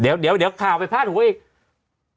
เดี๋ยวเดี๋ยวเดี๋ยวข่าวไปพลาดหัวอีก